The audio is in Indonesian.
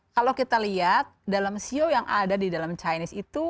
kalau kita lihat dalam sio yang ada di dalam chinese itu